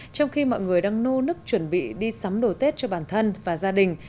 trong khi mọi người đang nô nức chuẩn bị đi sắm đồ tết cho bản thân và gia đình